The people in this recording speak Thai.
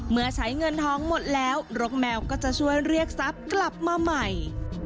เมื่อใช้เงินทองหมดแล้วรกแมวก็จะช่วยเรียกทรัพย์กลับมาใหม่